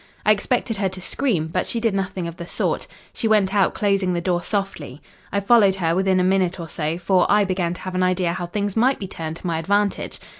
I expected her to scream, but she did nothing of the sort. She went out, closing the door softly. I followed her within a minute or so, for I began to have an idea how things might be turned to my advantage.